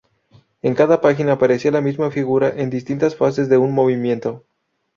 En cada página aparecía la misma figura en distintas fases de un movimiento.